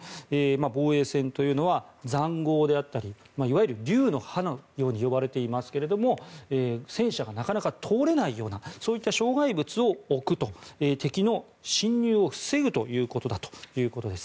防衛線というのは塹壕であったりいわゆる竜の歯と呼ばれていますが戦車がなかなか通れないようなそういった障害物を置くと敵の侵入を防ぐということだということです。